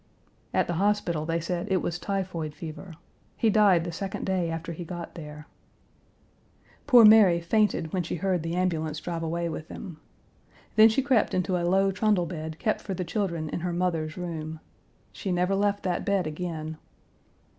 At the hospital they said it was typhoid fever. He died the second day after he got there. Poor Mary fainted when she heard the ambulance drive away with him. Then she crept into a low trundle bed kept for the children in her mother's room. Page 239 She never left that bed again.